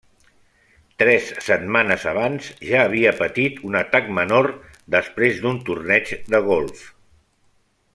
Tres setmanes abans ja havia patit un atac menor després d'un torneig de golf.